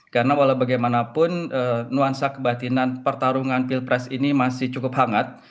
karena walaubagaimanapun nuansa kebatinan pertarungan pilpres ini masih cukup hangat